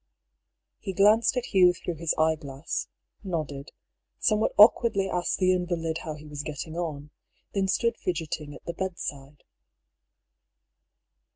He glanced at Hugh through his eyeglass, nodded, somewhat awkwardly asked the invalid how he was get ting on, then stood fidgeting at the bedside.